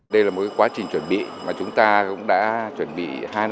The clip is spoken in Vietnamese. đây là một quá trình chuẩn bị mà chúng ta cũng đã chuẩn bị